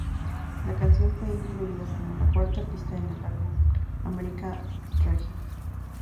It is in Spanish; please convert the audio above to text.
La canción fue incluida como la cuarta pista en el álbum American Tragedy.